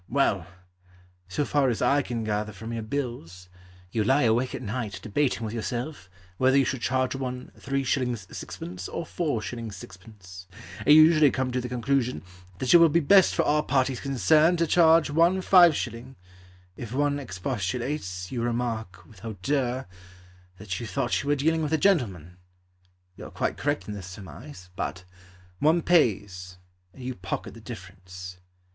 Well, So far as I can gather from your bills, You lie awake at night Debating with yourself Whether you should charge one 3s. 6d. or 4s. 6d. And you usually come to the conclusion That it will be best For all parties concerned To charge one 5s. If one expostulates, You remark With hauteur That you thought you were dealing with a gentleman. You are quite correct in this surmise. But One pays, And you pocket the difference.